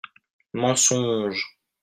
Mensonge